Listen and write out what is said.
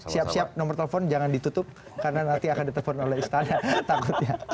siap siap nomor telepon jangan ditutup karena nanti akan ditelepon oleh istana takut ya